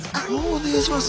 お願いします。